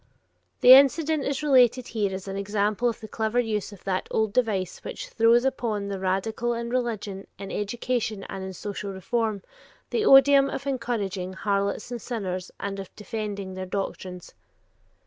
The incident is related here as an example of the clever use of that old device which throws upon the radical in religion, in education, and in social reform, the oduim of encouraging "harlots and sinners" and of defending their doctrines.